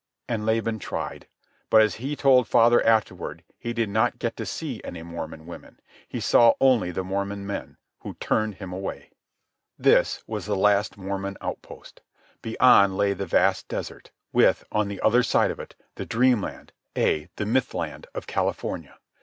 And Laban tried. But, as he told father afterward, he did not get to see any Mormon women. He saw only the Mormon men, who turned him away. This was the last Mormon outpost. Beyond lay the vast desert, with, on the other side of it, the dream land, ay, the myth land, of California.